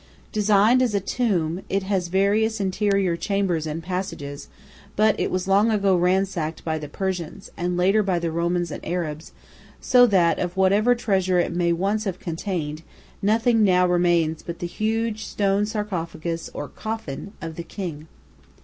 Designed as a tomb, it has various interior chambers and passages, but it was long ago ransacked by the Persians, and later by the Romans and Arabs, so that of whatever treasure it may once have contained, nothing now remains but the huge stone sarcophagus or coffin of the King.